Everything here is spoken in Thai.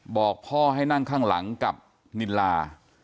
บอกพ่อให้นั่งข้างหลังกับนิลา